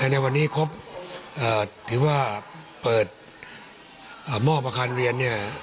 ในวันนี้ที่ว่าเปิดหม้อประทานเรียน